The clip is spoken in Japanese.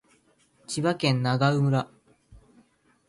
千葉県長生村